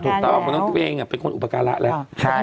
ถูกต้องน้องเพลงอ่ะเป็นคนอุปการะแล้วใช่